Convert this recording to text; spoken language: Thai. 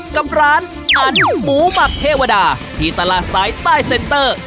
กับร้านอันหมูหมักเทวดาที่ตลาดสายใต้เซ็นเตอร์